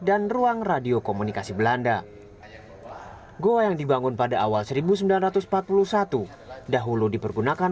dan ruang radio komunikasi belanda gua yang dibangun pada awal seribu sembilan ratus empat puluh satu dahulu dipergunakan